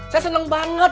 saya seneng banget